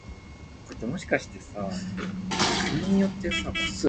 九月颱，慘歪歪